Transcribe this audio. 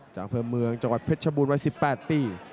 จางเพลิมเมืองจังหวัดเพชรบูรณ์วัย๑๘ปี